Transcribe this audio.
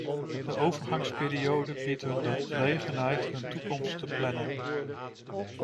De overgangsperiode biedt hun de gelegenheid hun toekomst te plannen.